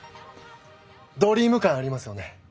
ドリーム感ありますよね。